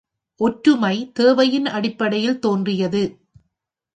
ஒற்றுமை, தேவையின் அடிப்படையில் தோன்றியது.